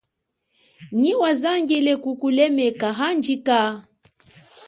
Nyi wazangile kukulemeka, handjika.